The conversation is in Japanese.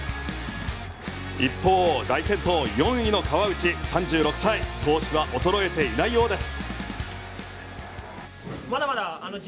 一方、大健闘４位の川内、３６歳闘志は衰えていないようです。